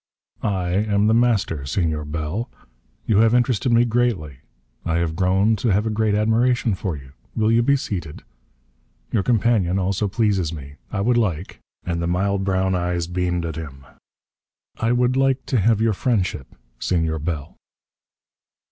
"I am The Master, Senor Bell. You have interested me greatly. I have grown to have a great admiration for you. Will you be seated? Your companion also pleases me. I would like" and the mild brown eyes beamed at him "I would like to have your friendship, Senor Bell."